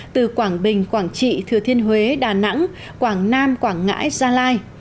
từ quảng bình quảng trị thừa thiên huế đà nẵng quảng nam quảng ngãi gia lai